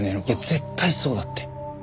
絶対そうだって。